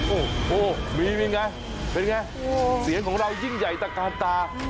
โอ้โหมีนี่ไงเป็นไงเสียงของเรายิ่งใหญ่ตะกานตา